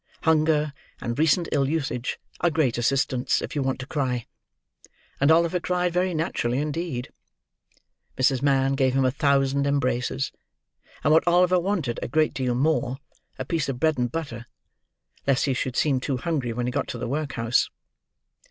Hunger and recent ill usage are great assistants if you want to cry; and Oliver cried very naturally indeed. Mrs. Mann gave him a thousand embraces, and what Oliver wanted a great deal more, a piece of bread and butter, less he should seem too hungry when he got to the workhouse.